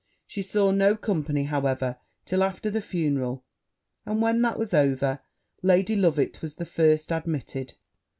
She saw no company, however, till after the funeral; and, when that was over, Lady Loveit was the first admitted.